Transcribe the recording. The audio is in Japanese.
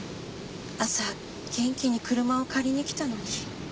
朝元気に車を借りに来たのに。